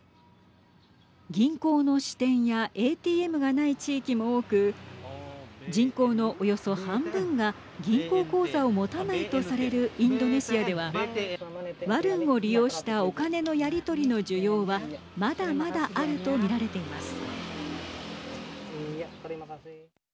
銀行の支店やＡＴＭがない地域も多く人口のおよそ半分が銀行口座を持たないとされるインドネシアではワルンを利用したお金のやり取りの需要はまだまだあると見られています。